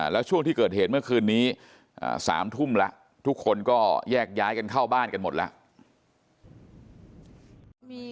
แล้วช่วงที่เกิดเหตุเมื่อคืนนี้๓ทุ่มแล้วทุกคนก็แยกย้ายกันเข้าบ้านกันหมดแล้ว